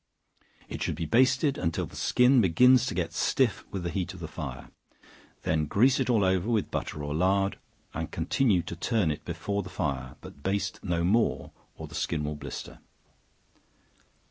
It should be basted until the skin begins to get stiff with the heat of the fire; then grease it all over with butter or lard, and continue to turn it before the fire, but baste no more, or the skin will blister.